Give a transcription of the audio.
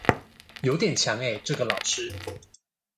有點強耶這個老師